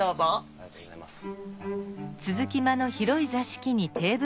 ありがとうございます。